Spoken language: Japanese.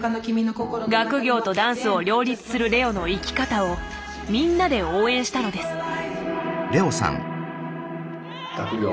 学業とダンスを両立するＬｅｏの生き方をみんなで応援したのです。